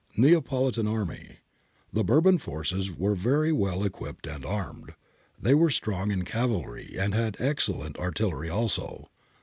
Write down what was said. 'Neapolitan Army. — The Bourbon Forces were very well equipped and armed. They were strong in cavalry, and had excellent artillery also.